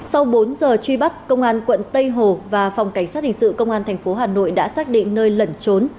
sau bốn giờ truy bắt công an quận tây hồ và phòng cảnh sát hình sự công an tp hà nội đã xác định nơi lẩn trốn